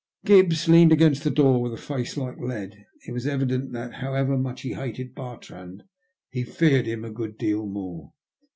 Gibbs leaned against the door with a face like lead. It was evident that however much he hated Bartrand he feared him a good deal more.